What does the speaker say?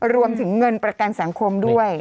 รวมถึงเงินประกันสังคมด้วย